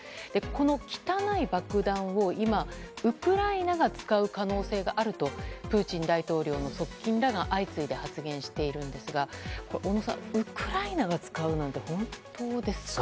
この汚い爆弾を今、ウクライナが使う可能性があるとプーチン大統領の側近らが相次いで発言しているんですが小野さん、ウクライナが使うなんて本当ですか。